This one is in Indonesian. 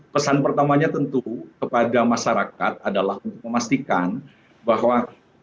pesan pertamanya tentu kepada masyarakat adalah untuk memastikan bahwa